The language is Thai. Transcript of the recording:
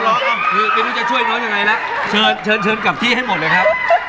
ลออ้อคือไม่รู้ใจช่วยน้อเยอะไงล่ะเชิญเชิญเชิญกลับที่ให้หมดเลยครับ